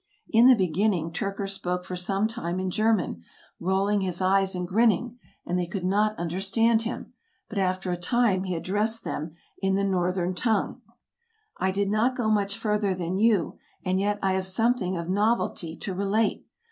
In the beginning Tyrker spoke for some time in German, rolling his eyes and grinning, and they could not understand him ; but after a time he addressed them in the Northern 12 TRAVELERS AND EXPLORERS tongue "I did not go much further [than you], and yet 1 have something of novelty to relate.